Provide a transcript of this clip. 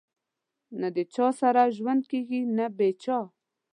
نه د چا سره ژوند کېږي نه بې چا